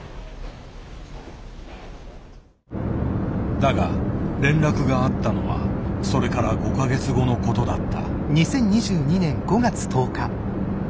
だが連絡があったのはそれから５か月後のことだった。